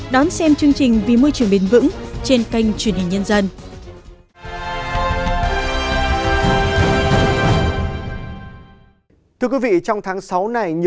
đón xem chương trình vì môi trường bền vững trên kênh truyền hình nhân dân